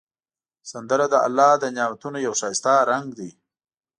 سندره د الله د نعمتونو یو ښایسته رنگ دی